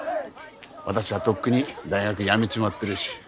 私はとっくに大学辞めちまってるし。